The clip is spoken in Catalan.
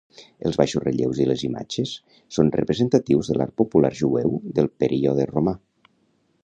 Els baixos relleus i les imatges són representatius de l'art popular jueu del període romà.